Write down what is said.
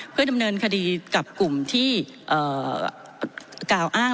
เพื่อดำเนินคดีกับกลุ่มที่กล่าวอ้าง